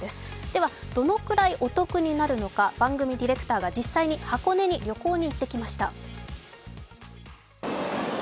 ではどのくらいお得になるのか、番組ディレクターが実際に箱根に旅行に行ってきました。